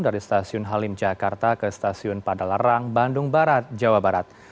dari stasiun halim jakarta ke stasiun padalarang bandung barat jawa barat